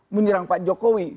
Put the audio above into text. menyerang pak jokowi